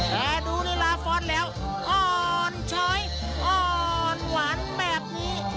แต่ดูลีลาฟอสแล้วอ่อนเฉยอ่อนหวานแบบนี้